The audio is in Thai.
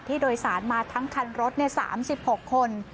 โดยสารมาทั้งคันรถ๓๖คน